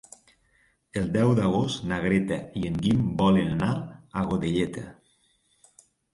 El deu d'agost na Greta i en Guim volen anar a Godelleta.